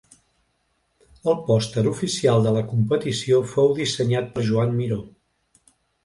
El pòster oficial de la competició fou dissenyat per Joan Miró.